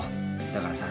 だからさ。